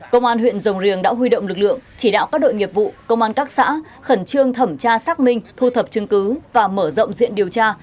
công an huyện rồng riềng đã huy động lực lượng chỉ đạo các đội nghiệp vụ công an các xã khẩn trương thẩm tra xác minh thu thập chứng cứ và mở rộng diện điều tra